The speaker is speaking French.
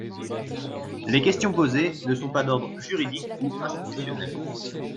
Les questions posées ne sont pas d’ordre juridique ou institutionnel.